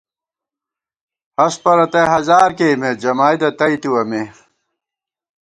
ہست پرَتَئ ہزار کېئیمېت جمائیدہ تئیتِوَہ مے